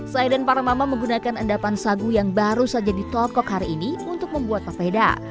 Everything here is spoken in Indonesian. saya dan para mama menggunakan endapan sagu yang baru saja ditokok hari ini untuk membuat papeda